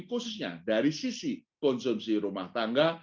khususnya dari sisi konsumsi rumah tangga